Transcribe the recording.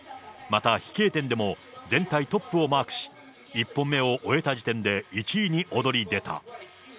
また飛型点でも全体トップをマークし、１本目を終えた時点で１位に躍り出た。